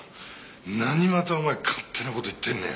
何またお前勝手な事言ってんだよ。